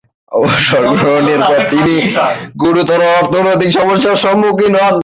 অবসর গ্রহণের পর তিনি গুরুতর অর্থনৈতিক সমস্যার সম্মুখীন হন।